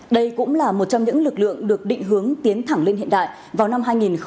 đây cũng là một trong những lực lượng được định hướng tiến thẳng lên hiện đại vào năm hai nghìn hai mươi năm